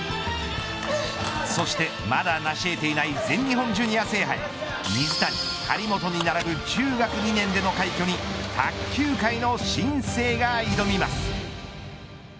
そしてまだなし得ていない全日本ジュニア制覇へ水谷、張本に並ぶ中学２年での快挙に卓球界の新星が挑みます。